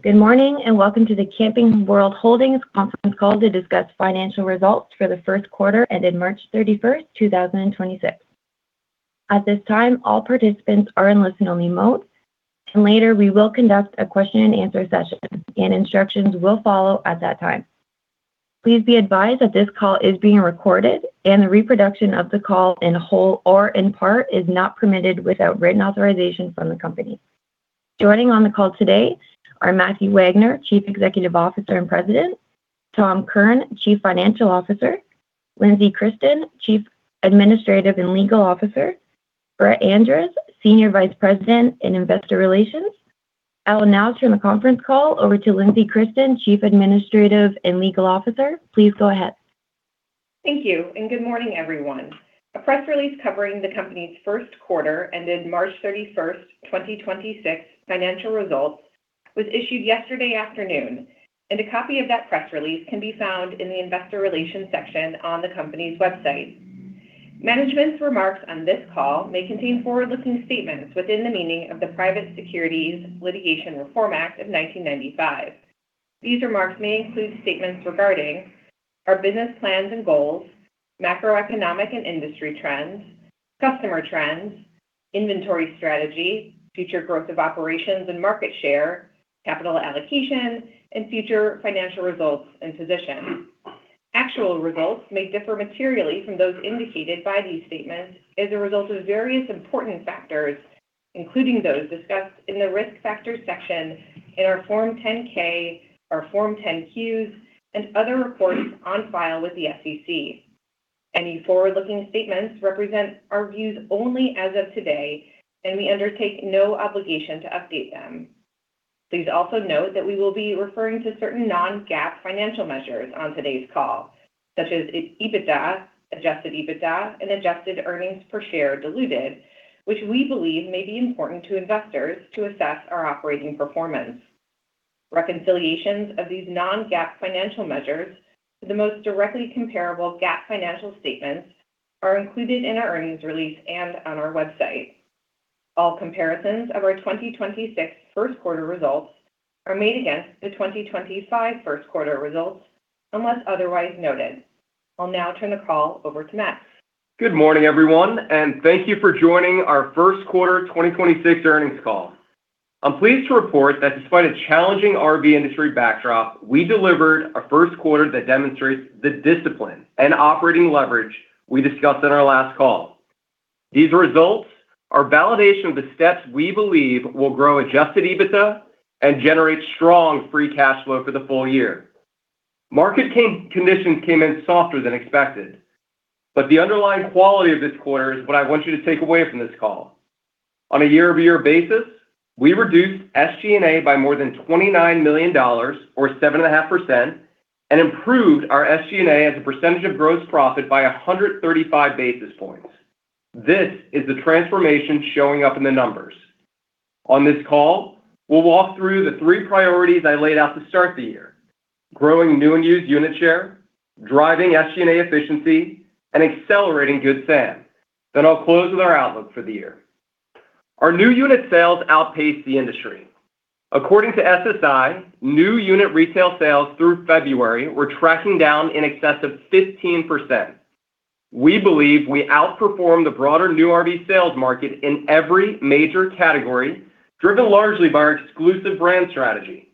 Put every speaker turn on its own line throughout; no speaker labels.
Good morning, and welcome to the Camping World Holdings conference call to discuss financial results for the first quarter ended March 31st, 2026. At this time, all participants are in listen-only mode. Later, we will conduct a question and answer session, and instructions will follow at that time. Please be advised that this call is being recorded, and the reproduction of the call in whole or in part is not permitted without written authorization from the company. Joining on the call today are Matthew Wagner, Chief Executive Officer and President, Tom Kirn, Chief Financial Officer, Lindsey Christen, Chief Administrative and Legal Officer, Brett Andress, Senior Vice President in Investor Relations. I will now turn the conference call over to Lindsey Christen, Chief Administrative and Legal Officer. Please go ahead.
Thank you, and good morning, everyone. A press release covering the company's first quarter ended March 31st, 2026 financial results was issued yesterday afternoon. A copy of that press release can be found in the investor relations section on the company's website. Management's remarks on this call may contain forward-looking statements within the meaning of the Private Securities Litigation Reform Act of 1995. These remarks may include statements regarding our business plans and goals, macroeconomic and industry trends, customer trends, inventory strategy, future growth of operations and market share, capital allocation, and future financial results and position. Actual results may differ materially from those indicated by these statements as a result of various important factors, including those discussed in the Risk Factors section in our Form 10-K, our Form 10-Qs, and other reports on file with the SEC. Any forward-looking statements represent our views only as of today, and we undertake no obligation to update them. Please also note that we will be referring to certain non-GAAP financial measures on today's call, such as EBITDA, adjusted EBITDA, and adjusted earnings per share diluted, which we believe may be important to investors to assess our operating performance. Reconciliations of these non-GAAP financial measures to the most directly comparable GAAP financial statements are included in our earnings release and on our website. All comparisons of our 2026 first quarter results are made against the 2025 first quarter results, unless otherwise noted. I'll now turn the call over to Matt.
Good morning, everyone, and thank you for joining our first quarter 2026 earnings call. I'm pleased to report that despite a challenging RV industry backdrop, we delivered a first quarter that demonstrates the discipline and operating leverage we discussed on our last call. These results are validation of the steps we believe will grow adjusted EBITDA and generate strong free cash flow for the full year. Market conditions came in softer than expected, the underlying quality of this quarter is what I want you to take away from this call. On a year-over-year basis, we reduced SG&A by more than $29 million or 7.5% and improved our SG&A as a percentage of gross profit by 135 basis points. This is the transformation showing up in the numbers. On this call, we'll walk through the three priorities I laid out to start the year: growing new and used unit share, driving SG&A efficiency, and accelerating Good Sam. I'll close with our outlook for the year. Our new unit sales outpaced the industry. According to SSI, new unit retail sales through February were tracking down in excess of 15%. We believe we outperformed the broader new RV sales market in every major category, driven largely by our exclusive brand strategy.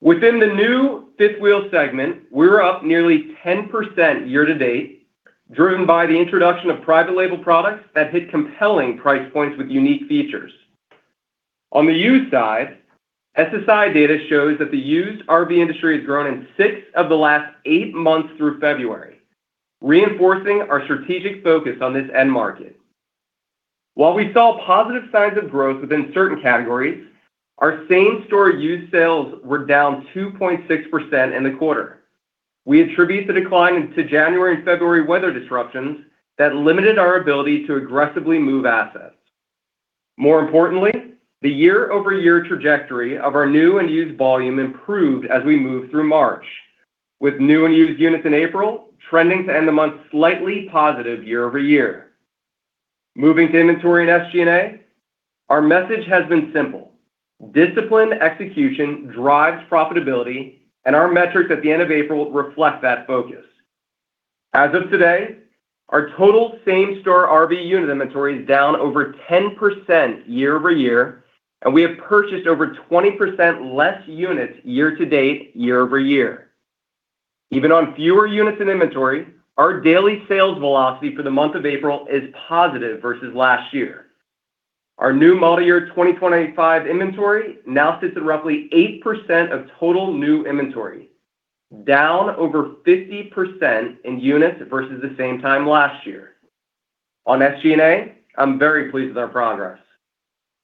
Within the new fifth wheel segment, we were up nearly 10% year to date, driven by the introduction of private label products that hit compelling price points with unique features. On the used side, SSI data shows that the used RV industry has grown in six of the last eight months through February, reinforcing our strategic focus on this end market. While we saw positive signs of growth within certain categories, our same-store used sales were down 2.6% in the quarter. We attribute the decline to January and February weather disruptions that limited our ability to aggressively move assets. More importantly, the year-over-year trajectory of our new and used volume improved as we moved through March, with new and used units in April trending to end the month slightly positive year over year. Moving to inventory and SG&A, our message has been simple: disciplined execution drives profitability, and our metrics at the end of April reflect that focus. As of today, our total same-store RV unit inventory is down over 10% year over year, and we have purchased over 20% less units year to date, year over year. Even on fewer units in inventory, our daily sales velocity for the month of April is positive versus last year. Our new model year 2025 inventory now sits at roughly 8% of total new inventory, down over 50% in units versus the same time last year. On SG&A, I'm very pleased with our progress.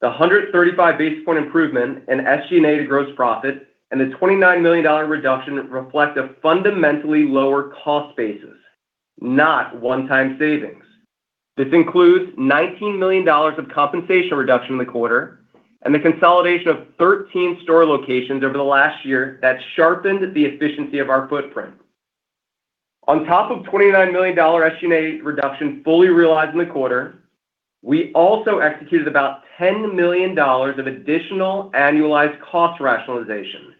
The 135 basis point improvement in SG&A to gross profit and the $29 million reduction reflect a fundamentally lower cost basis, not one-time savings. This includes $19 million of compensation reduction in the quarter and the consolidation of 13 store locations over the last year that sharpened the efficiency of our footprint. On top of $29 million SG&A reduction fully realized in the quarter, we also executed about $10 million of additional annualized cost rationalization,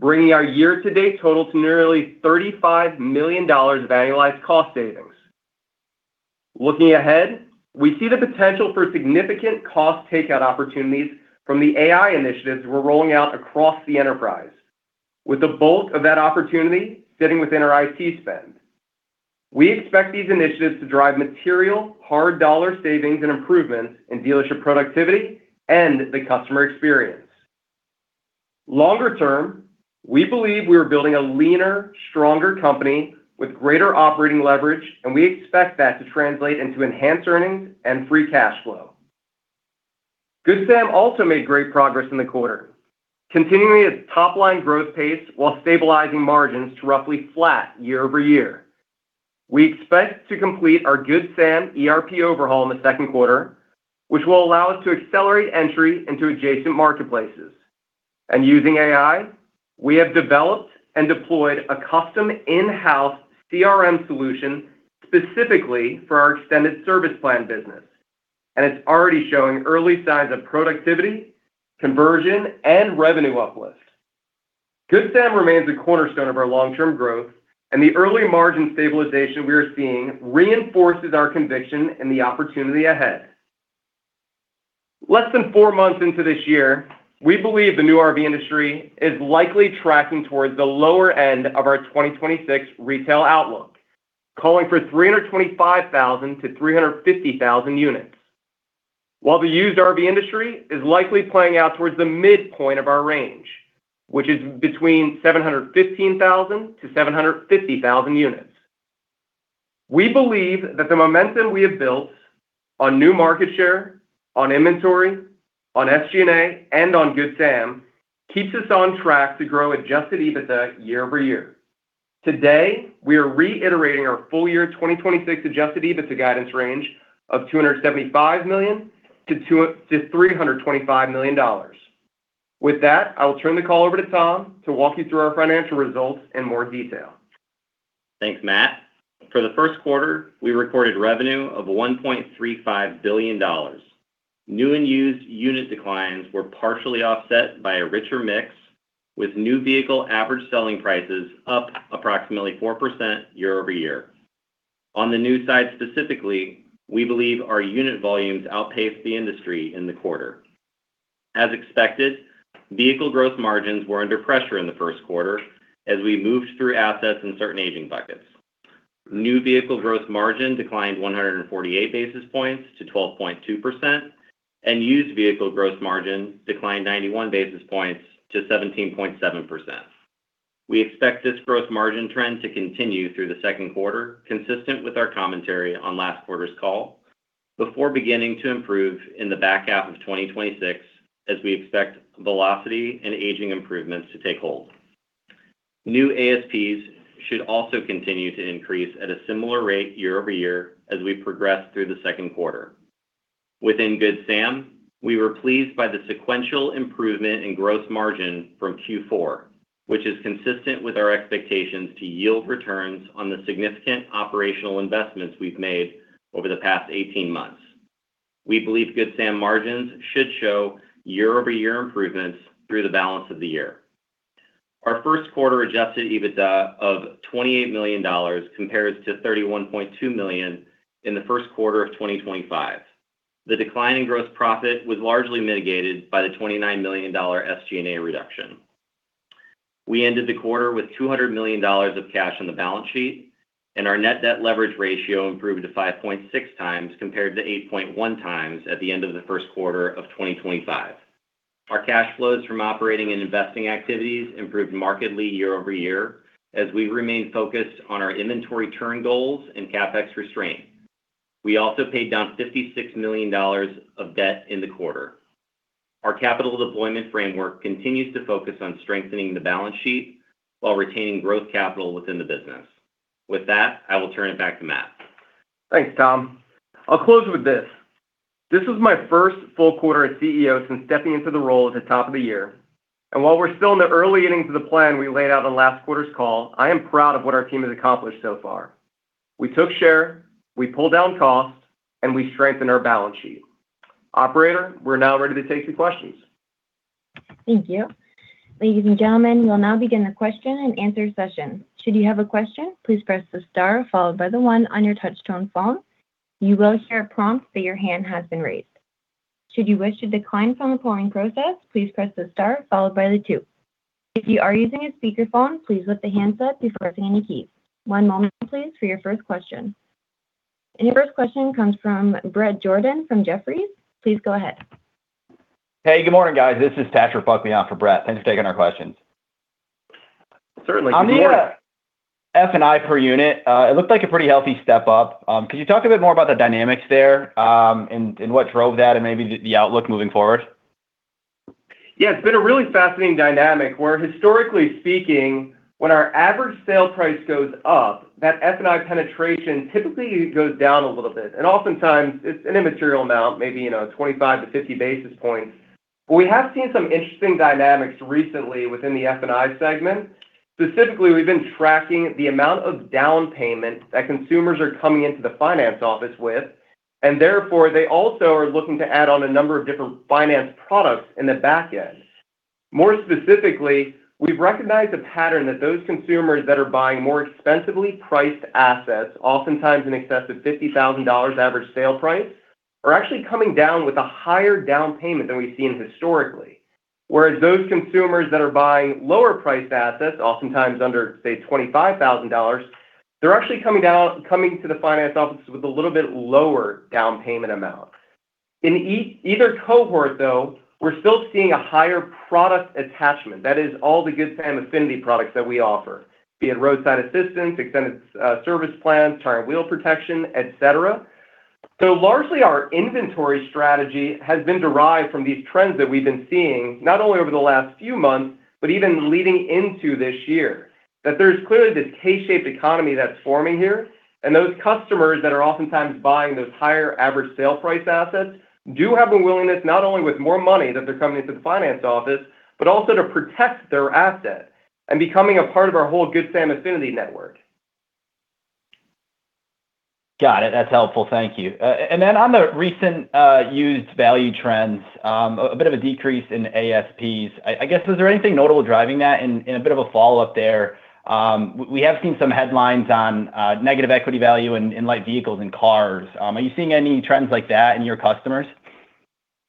bringing our year-to-date total to nearly $35 million of annualized cost savings. Looking ahead, we see the potential for significant cost takeout opportunities from the AI initiatives we're rolling out across the enterprise, with the bulk of that opportunity sitting within our IT spend. We expect these initiatives to drive material, hard dollar savings and improvements in dealership productivity and the customer experience. Longer term, we believe we are building a leaner, stronger company with greater operating leverage, and we expect that to translate into enhanced earnings and free cash flow. Good Sam also made great progress in the quarter, continuing its top-line growth pace while stabilizing margins to roughly flat year-over-year. We expect to complete our Good Sam ERP overhaul in the second quarter, which will allow us to accelerate entry into adjacent marketplaces. Using AI, we have developed and deployed a custom in-house CRM solution specifically for our extended service plan business, and it's already showing early signs of productivity, conversion, and revenue uplift. Good Sam remains a cornerstone of our long-term growth, and the early margin stabilization we are seeing reinforces our conviction in the opportunity ahead. Less than four months into this year, we believe the new RV industry is likely tracking towards the lower end of our 2026 retail outlook, calling for 325,000 units-350,000 units. While the used RV industry is likely playing out towards the midpoint of our range, which is between 715,000 units-750,000 units. We believe that the momentum we have built on new market share, on inventory, on SG&A, and on Good Sam keeps us on track to grow adjusted EBITDA year-over-year. Today, we are reiterating our full year 2026 adjusted EBITDA guidance range of $275 million-$325 million. With that, I will turn the call over to Tom to walk you through our financial results in more detail.
Thanks, Matt. For the first quarter, we recorded revenue of $1.35 billion. New and used unit declines were partially offset by a richer mix, with new vehicle average selling prices up approximately 4% year-over-year. On the new side specifically, we believe our unit volumes outpaced the industry in the quarter. As expected, vehicle growth margins were under pressure in the first quarter as we moved through assets in certain aging buckets. New vehicle growth margin declined 148 basis points to 12.2%, and used vehicle growth margin declined 91 basis points to 17.7%. We expect this growth margin trend to continue through the second quarter, consistent with our commentary on last quarter's call, before beginning to improve in the back half of 2026 as we expect velocity and aging improvements to take hold. New ASPs should also continue to increase at a similar rate year-over-year as we progress through the second quarter. Within Good Sam, we were pleased by the sequential improvement in gross margin from Q4, which is consistent with our expectations to yield returns on the significant operational investments we've made over the past 18 months. We believe Good Sam margins should show year-over-year improvements through the balance of the year. Our first quarter adjusted EBITDA of $28 million compares to $31.2 million in the first quarter of 2025. The decline in gross profit was largely mitigated by the $29 million SG&A reduction. We ended the quarter with $200 million of cash on the balance sheet, and our net debt leverage ratio improved to 5.6x compared to 8.1x at the end of the first quarter of 2025. Our cash flows from operating and investing activities improved markedly year-over-year as we remain focused on our inventory turn goals and CapEx restraint. We also paid down $56 million of debt in the quarter. Our capital deployment framework continues to focus on strengthening the balance sheet while retaining growth capital within the business. With that, I will turn it back to Matt.
Thanks, Tom. I'll close with this. This was my first full quarter as CEO since stepping into the role at the top of the year. While we're still in the early innings of the plan we laid out on last quarter's call, I am proud of what our team has accomplished so far. We took share, we pulled down cost, and we strengthened our balance sheet. Operator, we're now ready to take some questions.
Thank you. Ladies and gentlemen, we'll now begin the question and answer session. Should you have a question, please press the star followed by the one on your touchstone phone. You will hear a prompt that your hand has been raised. Should you wish to decline from the polling process, please press the star followed by the two. If you are using a speaker phone please lift the hands up by scratching any key. One moment please for your first question. Your first question comes from Bret Jordan from Jefferies. Please go ahead.
Hey, good morning, guys. This is Patrick Buckley on for Bret. Thanks for taking our questions.
Certainly. Good morning.
On the F&I per unit, it looked like a pretty healthy step up. Could you talk a bit more about the dynamics there, and what drove that and maybe the outlook moving forward?
Yeah. It's been a really fascinating dynamic where historically speaking, when our average sale price goes up, that F&I penetration typically goes down a little bit. Oftentimes it's an immaterial amount, maybe, you know, 25 basis points-50 basis points. We have seen some interesting dynamics recently within the F&I segment. Specifically, we've been tracking the amount of down payment that consumers are coming into the finance office with, and therefore, they also are looking to add on a number of different finance products in the back end. More specifically, we've recognized a pattern that those consumers that are buying more expensively priced assets, oftentimes in excess of $50,000 average sale price, are actually coming down with a higher down payment than we've seen historically. Whereas those consumers that are buying lower priced assets, oftentimes under, say, $25,000, they're actually coming to the finance office with a little bit lower down payment amount. In either cohort, though, we're still seeing a higher product attachment. That is all the Good Sam Affinity products that we offer, be it roadside assistance, extended service plans, tire and wheel protection, et cetera. Largely, our inventory strategy has been derived from these trends that we've been seeing, not only over the last few months, but even leading into this year. There's clearly this K-shaped economy that's forming here, and those customers that are oftentimes buying those higher average sale price assets do have a willingness, not only with more money that they're coming into the finance office, but also to protect their asset and becoming a part of our whole Good Sam Affinity network.
Got it. That's helpful. Thank you. Then on the recent used value trends, a bit of a decrease in ASPs. I guess, is there anything notable driving that? In a bit of a follow-up there, we have seen some headlines on negative equity value in light vehicles and cars. Are you seeing any trends like that in your customers?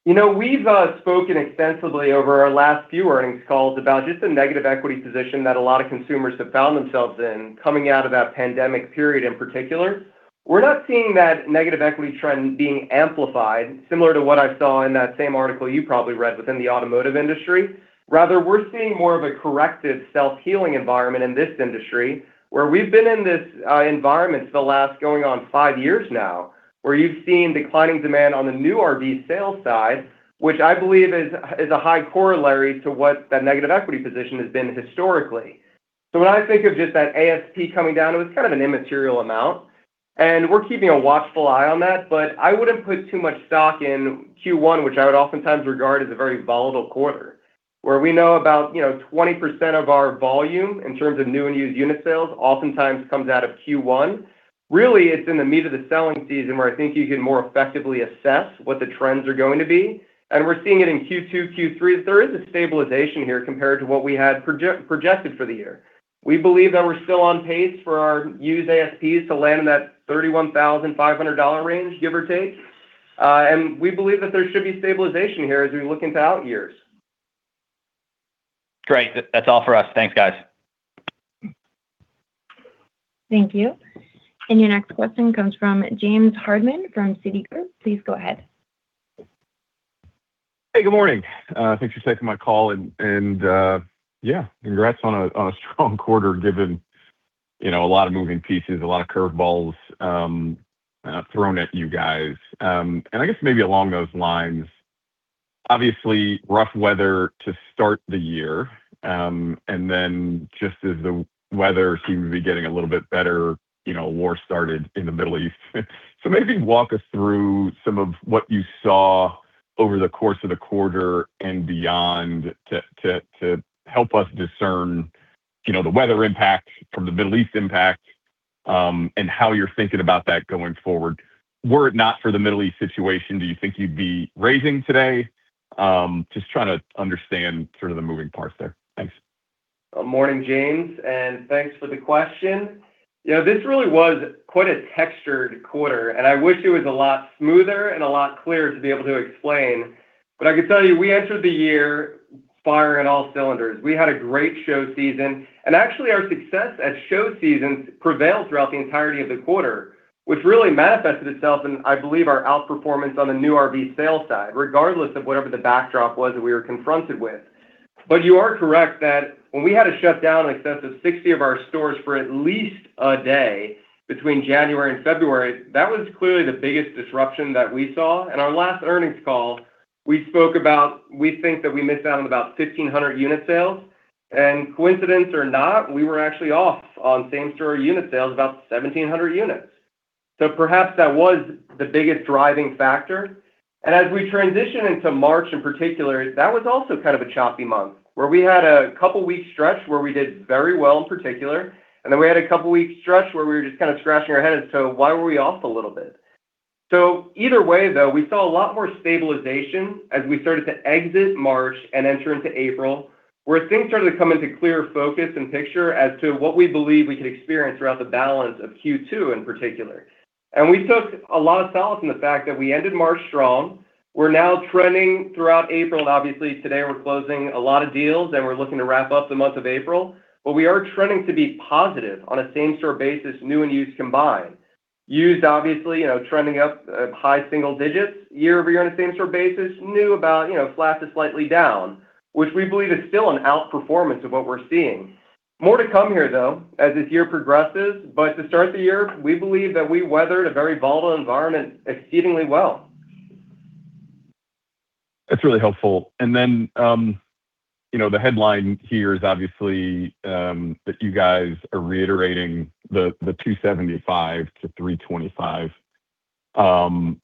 You know, we've spoken extensively over our last few earnings calls about just the negative equity position that a lot of consumers have found themselves in coming out of that pandemic period in particular. We're not seeing that negative equity trend being amplified, similar to what I saw in that same article you probably read within the automotive industry. Rather, we're seeing more of a corrective self-healing environment in this industry, where we've been in this environment for the last going on five years now, where you've seen declining demand on the new RV sales side, which I believe is a high corollary to what that negative equity position has been historically. When I think of just that ASP coming down, it was kind of an immaterial amount, and we're keeping a watchful eye on that. I wouldn't put too much stock in Q1, which I would oftentimes regard as a very volatile quarter, where we know about, you know, 20% of our volume in terms of new and used unit sales oftentimes comes out of Q1. It's in the meat of the selling season where I think you can more effectively assess what the trends are going to be. We're seeing it in Q2, Q3, that there is a stabilization here compared to what we had projected for the year. We believe that we're still on pace for our used ASPs to land in that $31,500 range, give or take. We believe that there should be stabilization here as we look into out years.
Great. That's all for us. Thanks, guys.
Thank you. Your next question comes from James Hardiman from Citigroup. Please go ahead.
Hey, good morning. Thanks for taking my call and, yeah, congrats on a strong quarter given, you know, a lot of moving pieces, a lot of curveballs thrown at you guys. I guess maybe along those lines, obviously, rough weather to start the year, and then just as the weather seemed to be getting a little bit better, you know, war started in the Middle East. Maybe walk us through some of what you saw over the course of the quarter and beyond to help us discern, you know, the weather impact from the Middle East impact, and how you're thinking about that going forward. Were it not for the Middle East situation, do you think you'd be raising today? Just trying to understand sort of the moving parts there. Thanks.
Morning, James, thanks for the question. You know, this really was quite a textured quarter, and I wish it was a lot smoother and a lot clearer to be able to explain. I can tell you, we entered the year firing on all cylinders. We had a great show season, and actually, our success at show seasons prevailed throughout the entirety of the quarter, which really manifested itself in, I believe, our outperformance on the new RV sales side, regardless of whatever the backdrop was that we were confronted with. You are correct that when we had to shut down in excess of 60 of our stores for at least a day between January and February, that was clearly the biggest disruption that we saw. In our last earnings call, we spoke about, we think that we missed out on about 1,500 unit sales. Coincidence or not, we were actually off on same store unit sales about 1,700 units. Perhaps that was the biggest driving factor. As we transition into March in particular, that was also kind of a choppy month, where we had a couple-week stretch where we did very well in particular. Then we had a couple-week stretch where we were just kind of scratching our head as to why were we off a little bit. Either way, though, we saw a lot more stabilization as we started to exit March and enter into April, where things started to come into clearer focus and picture as to what we believe we could experience throughout the balance of Q2 in particular. We took a lot of solace in the fact that we ended March strong. We're now trending throughout April, and obviously, today we're closing a lot of deals, and we're looking to wrap up the month of April. We are trending to be positive on a same-store basis, new and used combined. Used, obviously, you know, trending up, high single digits year-over-year on a same-store basis. New about, you know, flat to slightly down, which we believe is still an outperformance of what we're seeing. More to come here, though, as this year progresses. To start the year, we believe that we weathered a very volatile environment exceedingly well.
That's really helpful. You know, the headline here is obviously that you guys are reiterating the $275 million-$325 million.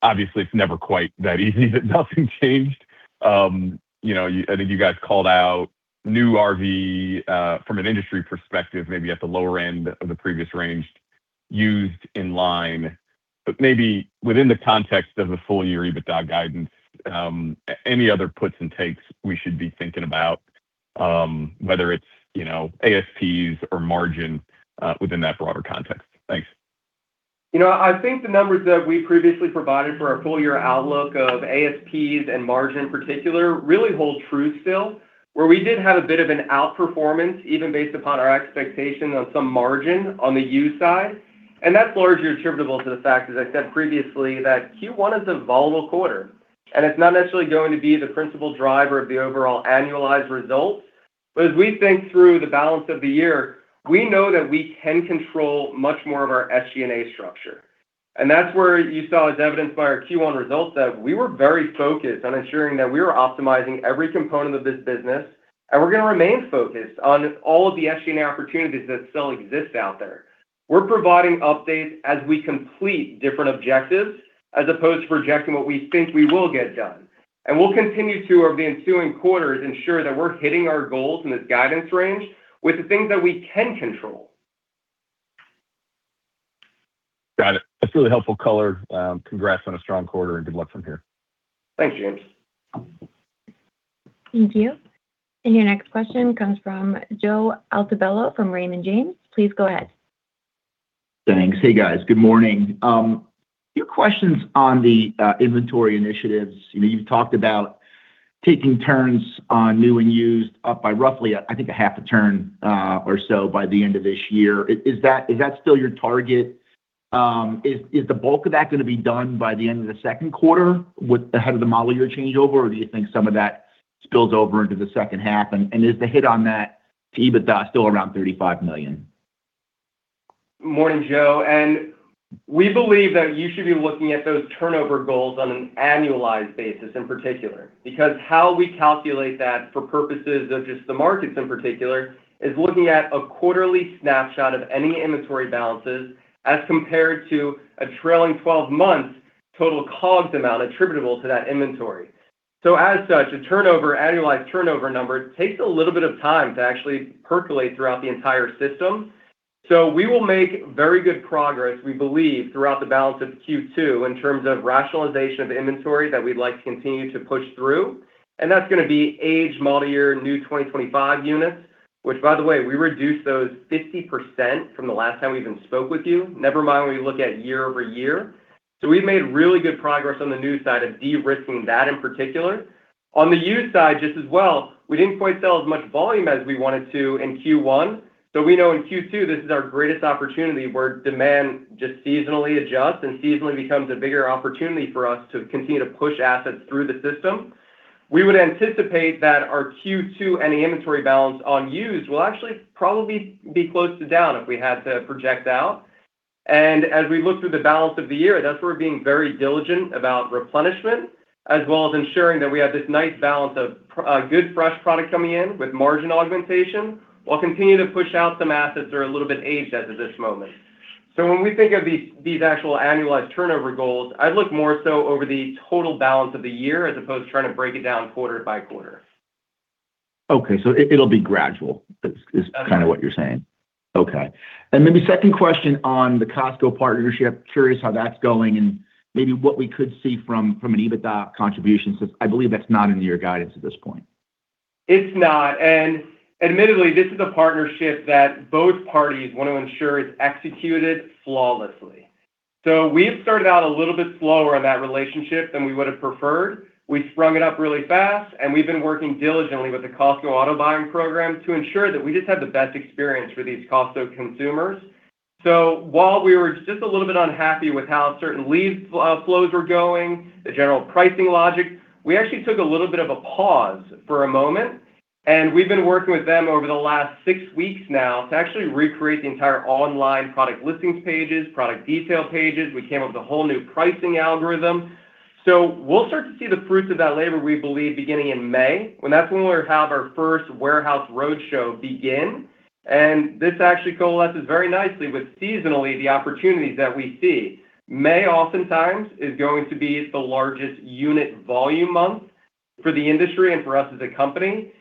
Obviously, it's never quite that easy that nothing changed. You know, you guys called out new RV from an industry perspective, maybe at the lower end of the previous range used in line. Maybe within the context of a full year EBITDA guidance, any other puts and takes we should be thinking about, whether it's, you know, ASPs or margin within that broader context. Thanks.
You know, I think the numbers that we previously provided for our full year outlook of ASPs and margin in particular really hold true still. Where we did have a bit of an outperformance, even based upon our expectation of some margin on the used side. That's largely attributable to the fact, as I said previously, that Q1 is a volatile quarter, and it's not necessarily going to be the principal driver of the overall annualized results. As we think through the balance of the year, we know that we can control much more of our SG&A structure. That's where you saw, as evidenced by our Q1 results, that we were very focused on ensuring that we were optimizing every component of this business, and we're going to remain focused on all of the SG&A opportunities that still exist out there. We're providing updates as we complete different objectives as opposed to projecting what we think we will get done. We'll continue to, over the ensuing quarters, ensure that we're hitting our goals in this guidance range with the things that we can control.
Got it. That's really helpful color. Congrats on a strong quarter, and good luck from here.
Thanks, James.
Thank you. Your next question comes from Joe Altobello from Raymond James. Please go ahead.
Thanks. Hey, guys. Good morning. A few questions on the inventory initiatives. You know, you've talked about taking turns on new and used up by roughly, I think, a half a turn or so by the end of this year. Is that still your target? Is the bulk of that going to be done by the end of the second quarter with ahead of the model year changeover? Do you think some of that spills over into the second half? Is the hit on that EBITDA still around $35 million?
Morning, Joe. We believe that you should be looking at those turnover goals on an annualized basis in particular. Because how we calculate that for purposes of just the markets in particular, is looking at a quarterly snapshot of any inventory balances as compared to a trailing 12 months total COGS amount attributable to that inventory. As such, a turnover, annualized turnover number takes a little bit of time to actually percolate throughout the entire system. We will make very good progress, we believe, throughout the balance of Q2 in terms of rationalization of inventory that we'd like to continue to push through. That's going to be age model year, new 2025 units, which by the way, we reduced those 50% from the last time we even spoke with you. Never mind when you look at year-over-year. We've made really good progress on the new side of de-risking that in particular. On the used side, just as well, we didn't quite sell as much volume as we wanted to in Q1. We know in Q2, this is our greatest opportunity where demand just seasonally adjusts and seasonally becomes a bigger opportunity for us to continue to push assets through the system. We would anticipate that our Q2 and inventory balance on used will actually probably be close to down if we had to project out. As we look through the balance of the year, that's where we're being very diligent about replenishment, as well as ensuring that we have this nice balance of good fresh product coming in with margin augmentation, while continuing to push out some assets that are a little bit aged as of this moment. When we think of these actual annualized turnover goals, I'd look more so over the total balance of the year as opposed to trying to break it down quarter by quarter.
Okay. It'll be gradual is kind of what you're saying?
Okay.
Okay. The second question on the Costco partnership, curious how that's going and maybe what we could see from an EBITDA contribution, since I believe that's not in your guidance at this point.
It's not. Admittedly, this is a partnership that both parties want to ensure is executed flawlessly. We've started out a little bit slower on that relationship than we would have preferred. We sprung it up really fast, and we've been working diligently with the Costco Auto Program to ensure that we just have the best experience for these Costco consumers. While we were just a little bit unhappy with how certain lead flows were going, the general pricing logic, we actually took a little bit of a pause for a moment, and we've been working with them over the last six weeks now to actually recreate the entire online product listings pages, product detail pages. We came up with a whole new pricing algorithm. We'll start to see the fruits of that labor, we believe, beginning in May, when that's when we'll have our first Warehouse Roadshow begin. This actually coalesces very nicely with seasonally the opportunities that we see. May oftentimes is going to be the largest unit volume month for the industry and for us as a company.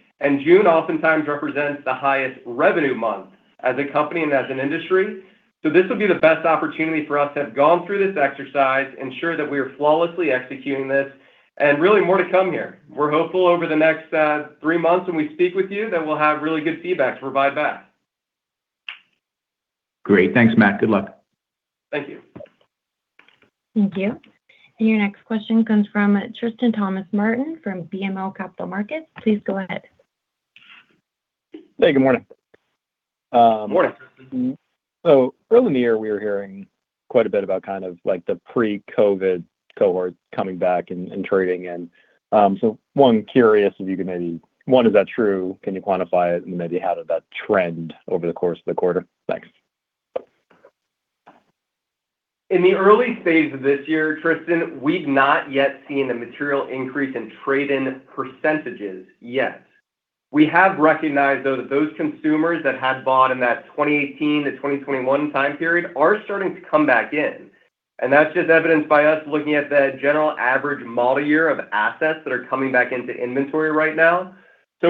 June oftentimes represents the highest revenue month as a company and as an industry. This will be the best opportunity for us to have gone through this exercise, ensure that we are flawlessly executing this, and really more to come here. We're hopeful over the next three months when we speak with you that we'll have really good feedback to provide back.
Great. Thanks, Matt. Good luck.
Thank you.
Thank you. Your next question comes from Tristan Thomas-Martin from BMO Capital Markets. Please go ahead.
Hey, good morning.
Morning.
Early in the year, we were hearing quite a bit about kind of like the pre-COVID cohorts coming back and trading. Curious if you could maybe, is that true? Can you quantify it? Maybe how did that trend over the course of the quarter? Thanks.
In the early stage of this year, Tristan, we've not yet seen a material increase in trade-in percentages yet. We have recognized, though, that those consumers that had bought in that 2018-2021 time period are starting to come back in, and that's just evidenced by us looking at the general average model year of assets that are coming back into inventory right now.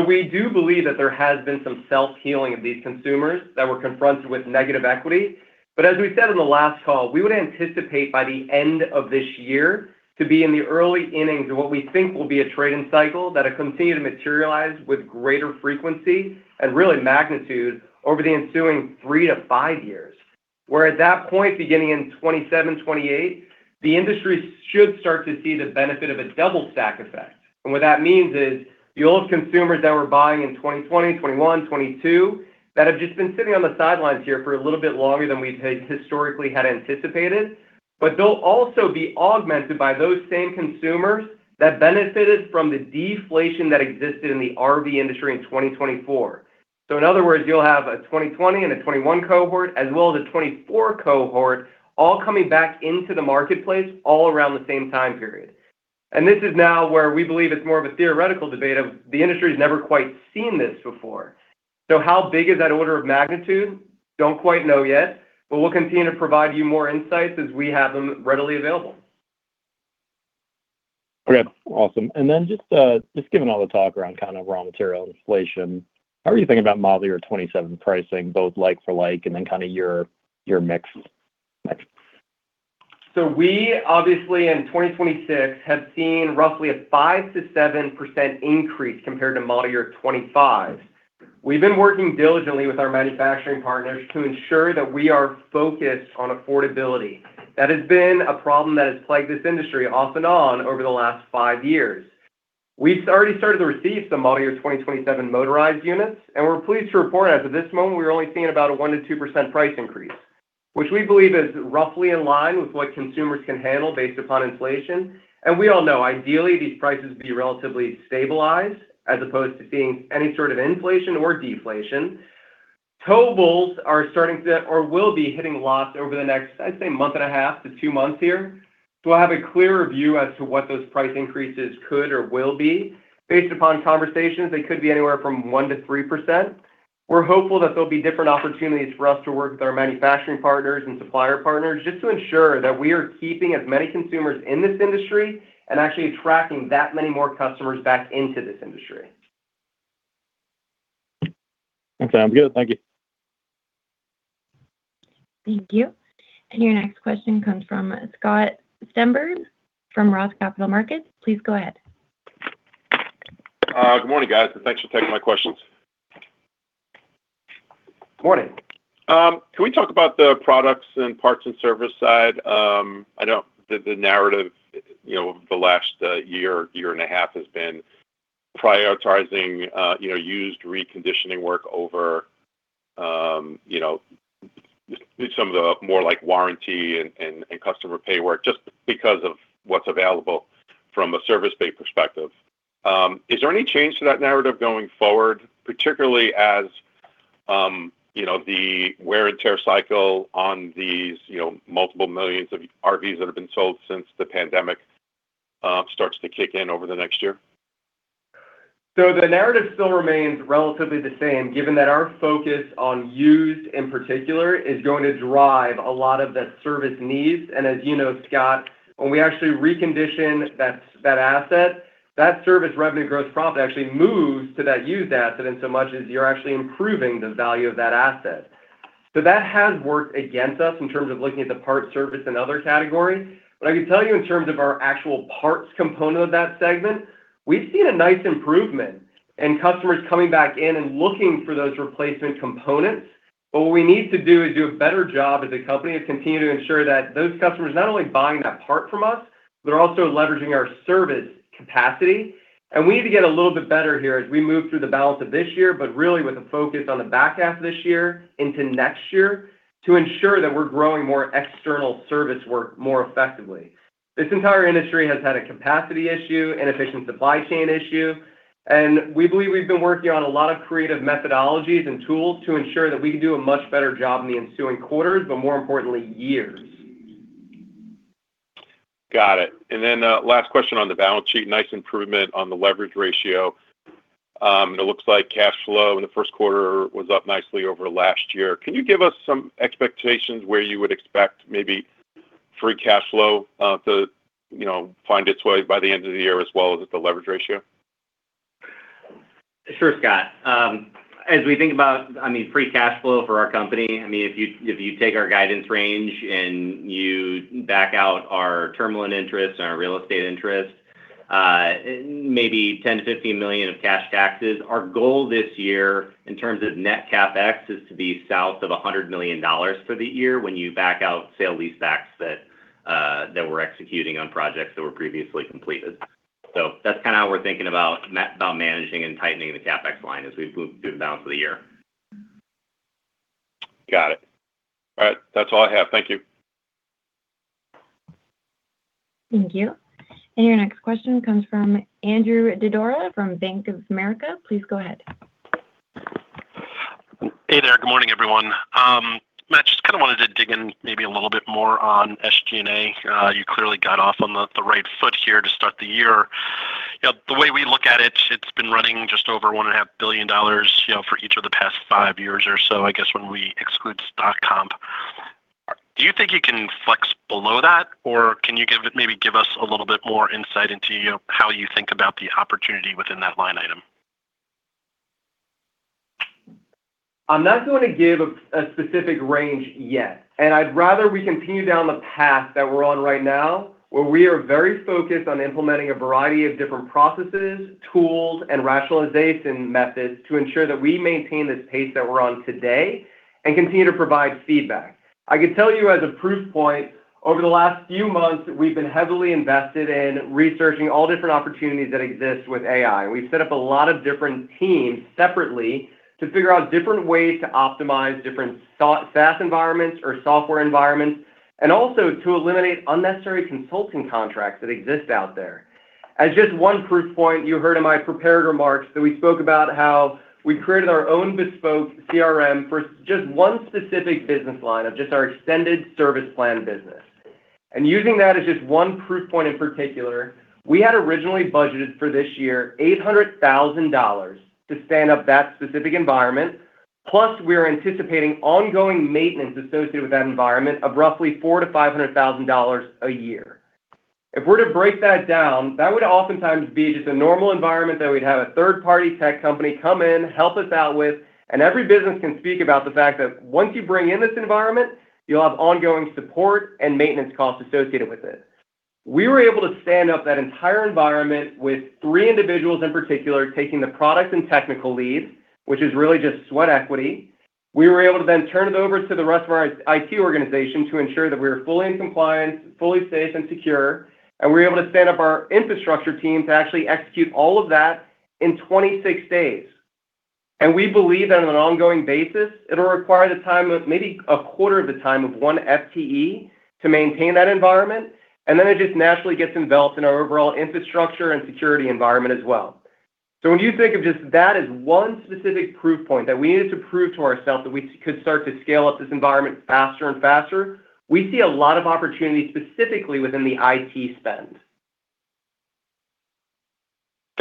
We do believe that there has been some self-healing of these consumers that were confronted with negative equity. As we said on the last call, we would anticipate by the end of this year to be in the early innings of what we think will be a trading cycle that'll continue to materialize with greater frequency and really magnitude over the ensuing three-five years. Where at that point, beginning in 2027, 2028, the industry should start to see the benefit of a double stack effect. What that means is the old consumers that were buying in 2020, 2021, 2022, that have just been sitting on the sidelines here for a little bit longer than we'd had historically had anticipated, but they'll also be augmented by those same consumers that benefited from the deflation that existed in the RV industry in 2024. In other words, you'll have a 2020 and a 2021 cohort as well as a 2024 cohort all coming back into the marketplace all around the same time period. This is now where we believe it's more of a theoretical debate of the industry's never quite seen this before. How big is that order of magnitude? Don't quite know yet, but we'll continue to provide you more insights as we have them readily available.
Okay, awesome. Then just given all the talk around kind of raw material inflation, how are you thinking about model year 2027 pricing, both like for like and then kind of your mix?
We obviously in 2026 have seen roughly a 5%-7% increase compared to model year 2025. We've been working diligently with our manufacturing partners to ensure that we are focused on affordability. That has been a problem that has plagued this industry off and on over the last five years. We've already started to receive some model year 2027 motorized units, and we're pleased to report as of this moment, we're only seeing about a 1%-2% price increase, which we believe is roughly in line with what consumers can handle based upon inflation. We all know, ideally, these prices would be relatively stabilized as opposed to seeing any sort of inflation or deflation. Towables are starting to, or will be hitting lots over the next, I'd say, one and a half to two months here. We'll have a clearer view as to what those price increases could or will be. Based upon conversations, they could be anywhere from 1%-3%. We're hopeful that there'll be different opportunities for us to work with our manufacturing partners and supplier partners just to ensure that we are keeping as many consumers in this industry and actually attracting that many more customers back into this industry.
Okay, I'm good. Thank you.
Thank you. Your next question comes from Scott Stember from Roth Capital Partners. Please go ahead.
Good morning, guys, and thanks for taking my questions.
Morning.
Can we talk about the products and parts and service side? I know the narrative, you know, over the last one year, one and a half years has been prioritizing, you know, used reconditioning work over, you know, some of the more like warranty and customer pay work just because of what's available from a service pay perspective. Is there any change to that narrative going forward, particularly as, you know, the wear and tear cycle on these, you know, multiple millions of RVs that have been sold since the pandemic, starts to kick in over the next year?
The narrative still remains relatively the same, given that our focus on used in particular is going to drive a lot of the service needs. As you know, Scott, when we actually recondition that asset, that service revenue gross profit actually moves to that used asset insomuch as you're actually improving the value of that asset. I can tell you in terms of our actual parts component of that segment, we've seen a nice improvement and customers coming back in and looking for those replacement components. What we need to do is do a better job as a company to continue to ensure that those customers are not only buying that part from us, but they're also leveraging our service capacity. We need to get a little bit better here as we move through the balance of this year, but really with a focus on the back half of this year into next year to ensure that we're growing more external service work more effectively. This entire industry has had a capacity issue and efficient supply chain issue. We believe we've been working on a lot of creative methodologies and tools to ensure that we can do a much better job in the ensuing quarters, but more importantly, years.
Got it. Last question on the balance sheet. Nice improvement on the leverage ratio. It looks like cash flow in the first quarter was up nicely over last year. Can you give us some expectations where you would expect maybe free cash flow to, you know, find its way by the end of the year as well as with the leverage ratio?
Sure, Scott. As we think about, I mean, free cash flow for our company, I mean, if you take our guidance range and you back out our terminal interest and our real estate interest, maybe $10 million-$15 million of cash taxes, our goal this year in terms of net CapEx is to be south of $100 million for the year when you back out sale-leasebacks that we're executing on projects that were previously completed. That's kind of how we're thinking about managing and tightening the CapEx line as we move through the balance of the year.
Got it. All right. That's all I have. Thank you.
Thank you. Your next question comes from Andrew Didora from Bank of America. Please go ahead.
Hey there. Good morning, everyone. Matt, just kind of wanted to dig in maybe a little bit more on SG&A. You clearly got off on the right foot here to start the year. You know, the way we look at it's been running just over $1.5 billion, you know, for each of the past five years or so, I guess, when we exclude stock comp. Do you think you can flex below that, or can you maybe give us a little bit more insight into, you know, how you think about the opportunity within that line item?
I'm not going to give a specific range yet. I'd rather we continue down the path that we're on right now, where we are very focused on implementing a variety of different processes, tools, and rationalization methods to ensure that we maintain this pace that we're on today and continue to provide feedback. I can tell you as a proof point, over the last few months, we've been heavily invested in researching all different opportunities that exist with AI. We've set up a lot of different teams separately to figure out different ways to optimize different SaaS environments or software environments, also to eliminate unnecessary consulting contracts that exist out there. As just one proof point, you heard in my prepared remarks that we spoke about how we created our own bespoke CRM for just one specific business line of just our extended service plan business. Using that as just one proof point in particular, we had originally budgeted for this year $800,000 to stand up that specific environment. Plus, we're anticipating ongoing maintenance associated with that environment of roughly $400,000-$500,000 a year. If we're to break that down, that would oftentimes be just a normal environment that we'd have a third-party tech company come in, help us out with. Every business can speak about the fact that once you bring in this environment, you'll have ongoing support and maintenance costs associated with it. We were able to stand up that entire environment with three individuals in particular taking the product and technical lead, which is really just sweat equity. We were able to then turn it over to the rest of our IT organization to ensure that we were fully in compliance, fully safe and secure, and we were able to stand up our infrastructure team to actually execute all of that in 26 days. We believe that on an ongoing basis, it'll require the time of maybe a quarter of the time of one FTE to maintain that environment. Then it just naturally gets enveloped in our overall infrastructure and security environment as well. When you think of just that as one specific proof point that we needed to prove to ourselves that we could start to scale up this environment faster and faster, we see a lot of opportunities specifically within the IT spend.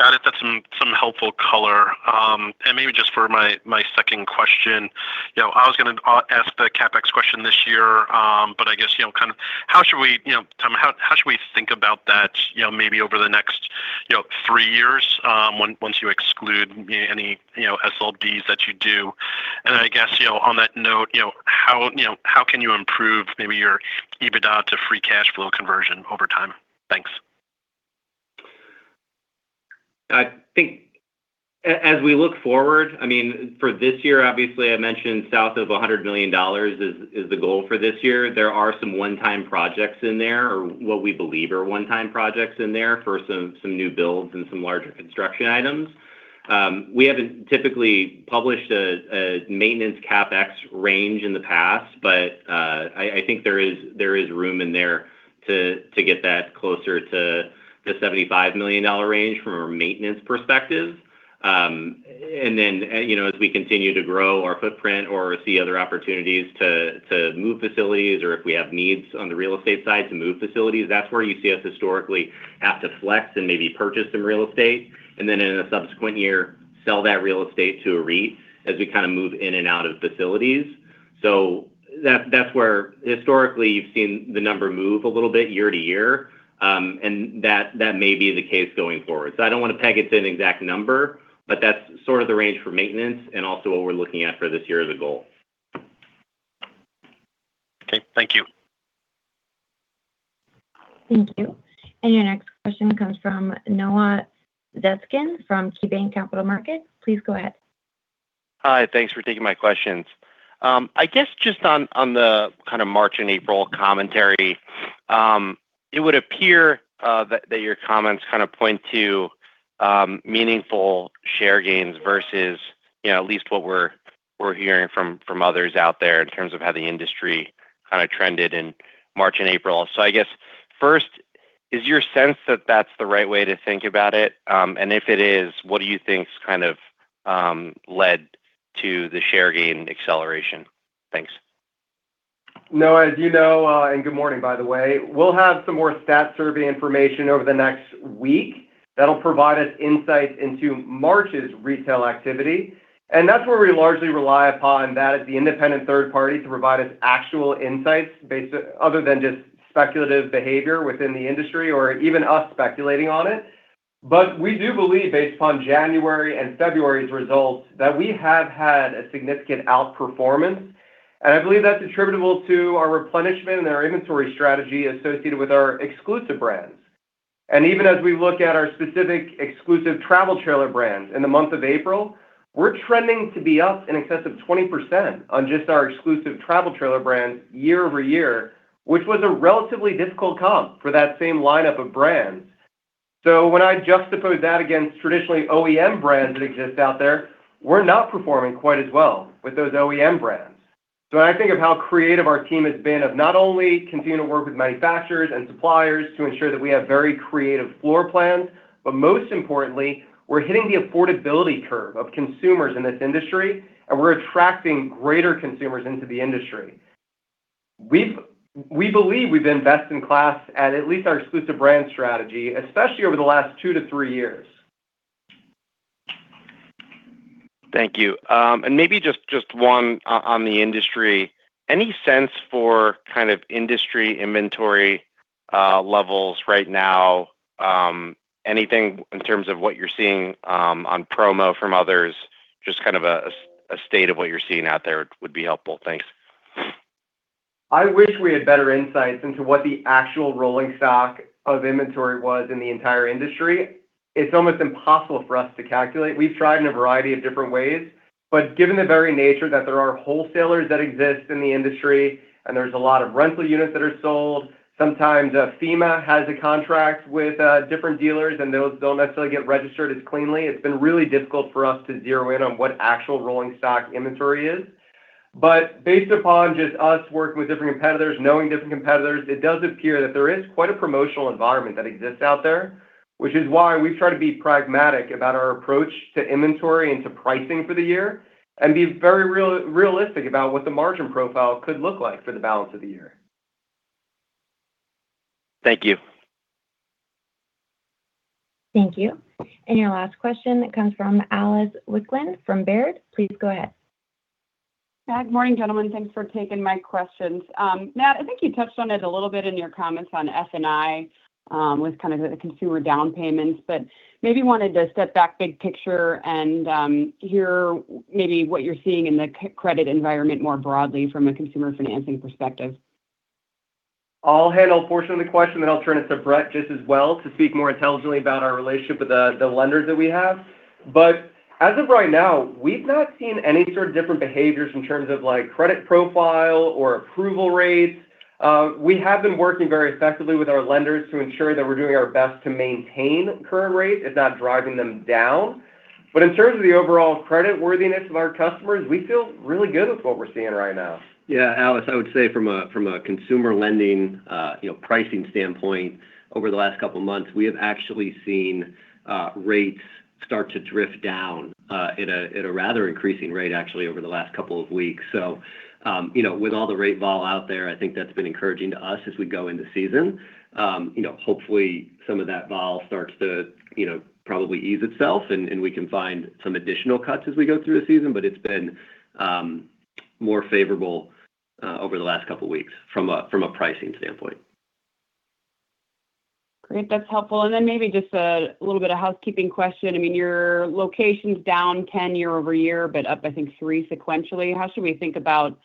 Got it. That's some helpful color. Maybe just for my second question, you know, I was going to ask the CapEx question this year. I guess, you know, kind of how should we, you know, Tom, how should we think about that, you know, maybe over the next, you know, three years, once you exclude any, you know, SLBs that you do? Then I guess, you know, on that note, you know, how, you know, how can you improve maybe your EBITDA to free cash flow conversion over time? Thanks.
I think as we look forward, I mean, for this year, obviously, I mentioned south of $100 million is the goal for this year. There are some one-time projects in there, or what we believe are one-time projects in there for some new builds and some larger construction items. We haven't typically published a maintenance CapEx range in the past, I think there is room in there to get that closer to the $75 million range from a maintenance perspective. You know, as we continue to grow our footprint or see other opportunities to move facilities or if we have needs on the real estate side to move facilities, that's where you see us historically have to flex and maybe purchase some real estate. In a subsequent year, sell that real estate to a REIT as we kind of move in and out of facilities. That's where historically you've seen the number move a little bit year to year. That may be the case going forward. I don't want to peg it to an exact number, but that's sort of the range for maintenance and also what we're looking at for this year as a goal.
Okay. Thank you.
Thank you. Your next question comes from Noah Zatzkin from KeyBanc Capital Markets. Please go ahead.
Hi. Thanks for taking my questions. I guess just on the kind of March and April commentary, it would appear that your comments kind of point to meaningful share gains versus, you know, at least what we're hearing from others out there in terms of how the industry kind of trended in March and April. I guess first, is your sense that that's the right way to think about it? If it is, what do you think's kind of led to the share gain acceleration? Thanks.
Noah, as you know, and good morning, by the way, we'll have some more stat survey information over the next week that'll provide us insights into March's retail activity. That's where we largely rely upon that is the independent third party to provide us actual insights other than just speculative behavior within the industry or even us speculating on it. We do believe based upon January and February's results that we have had a significant outperformance. I believe that's attributable to our replenishment and our inventory strategy associated with our exclusive brands. Even as we look at our specific exclusive travel trailer brands in the month of April, we're trending to be up in excess of 20% on just our exclusive travel trailer brands year-over-year, which was a relatively difficult comp for that same lineup of brands. When I juxtapose that against traditionally OEM brands that exist out there, we're not performing quite as well with those OEM brands. When I think of how creative our team has been of not only continuing to work with manufacturers and suppliers to ensure that we have very creative floor plans, but most importantly, we're hitting the affordability curve of consumers in this industry, and we're attracting greater consumers into the industry. We believe we've been best in class at least our exclusive brand strategy, especially over the last two years-three years.
Thank you. Maybe just one on the industry. Any sense for kind of industry inventory levels right now? Anything in terms of what you're seeing on promo from others? Just kind of a state of what you're seeing out there would be helpful. Thanks.
I wish we had better insights into what the actual rolling stock of inventory was in the entire industry. It's almost impossible for us to calculate. We've tried in a variety of different ways, given the very nature that there are wholesalers that exist in the industry and there's a lot of rental units that are sold, sometimes, FEMA has a contract with different dealers, and those don't necessarily get registered as cleanly. It's been really difficult for us to zero in on what actual rolling stock inventory is. Based upon just us working with different competitors, knowing different competitors, it does appear that there is quite a promotional environment that exists out there, which is why we try to be pragmatic about our approach to inventory and to pricing for the year and be very realistic about what the margin profile could look like for the balance of the year.
Thank you.
Thank you. Your last question comes from Alice Wycklendt from Baird. Please go ahead.
Good morning, gentlemen. Thanks for taking my questions. Matt, I think you touched on it a little bit in your comments on F&I with kind of the consumer down payments, but maybe wanted to step back big picture and hear maybe what you're seeing in the credit environment more broadly from a consumer financing perspective?
I'll handle portion of the question, then I'll turn it to Brett just as well to speak more intelligently about our relationship with the lenders that we have. As of right now, we've not seen any sort of different behaviors in terms of, like, credit profile or approval rates. We have been working very effectively with our lenders to ensure that we're doing our best to maintain current rates if not driving them down. In terms of the overall credit worthiness of our customers, we feel really good with what we're seeing right now.
Yeah, Alice, I would say from a consumer lending, you know, pricing standpoint, over the last couple of months, we have actually seen rates start to drift down, at a rather increasing rate actually over the last couple of weeks. You know, with all the rate vol out there, I think that's been encouraging to us as we go into season. You know, hopefully, some of that vol starts to, you know, probably ease itself and we can find some additional cuts as we go through the season. It's been more favorable over the last couple weeks from a pricing standpoint.
Great. That's helpful. Maybe just a little bit of housekeeping question. I mean, your locations down 10 year-over-year, but up, I think, three sequentially. How should we think about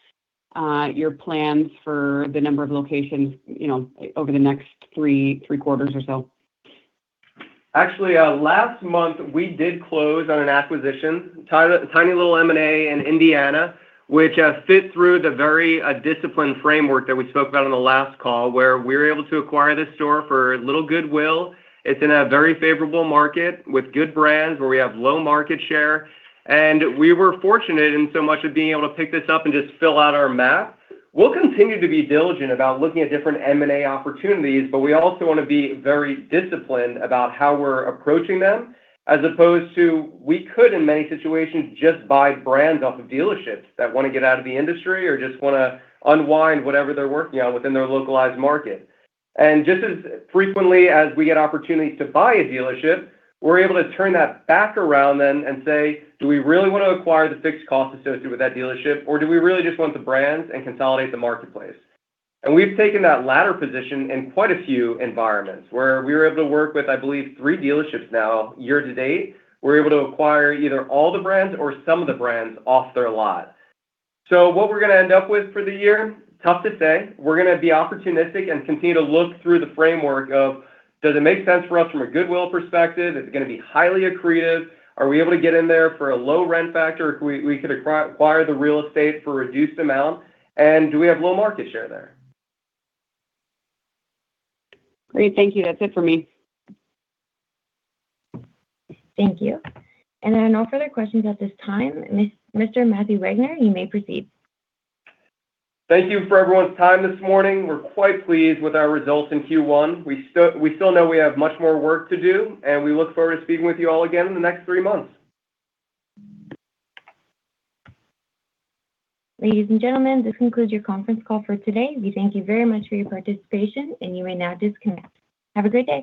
your plans for the number of locations, you know, over the next three quarters or so?
Actually, last month, we did close on an acquisition, tiny little M&A in Indiana, which fit through the very disciplined framework that we spoke about on the last call, where we're able to acquire this store for a little goodwill. It's in a very favorable market with good brands where we have low market share. We were fortunate in so much of being able to pick this up and just fill out our map. We'll continue to be diligent about looking at different M&A opportunities, but we also wanna be very disciplined about how we're approaching them, as opposed to we could, in many situations, just buy brands off of dealerships that wanna get out of the industry or just wanna unwind whatever they're working on within their localized market. Just as frequently as we get opportunities to buy a dealership, we're able to turn that back around then and say, "Do we really wanna acquire the fixed cost associated with that dealership, or do we really just want the brands and consolidate the marketplace?" We've taken that latter position in quite a few environments where we were able to work with, I believe, three dealerships now year to date. We're able to acquire either all the brands or some of the brands off their lot. What we're gonna end up with for the year, tough to say. We're gonna be opportunistic and continue to look through the framework of, does it make sense for us from a goodwill perspective? Is it gonna be highly accretive? Are we able to get in there for a low rent factor if we could acquire the real estate for a reduced amount? Do we have low market share there?
Great. Thank you. That's it for me.
Thank you. There are no further questions at this time. Mr. Matthew Wagner, you may proceed.
Thank you for everyone's time this morning. We're quite pleased with our results in Q1. We still know we have much more work to do. We look forward to speaking with you all again in the next three months.
Ladies and gentlemen, this concludes your conference call for today. We thank you very much for your participation, and you may now disconnect. Have a great day.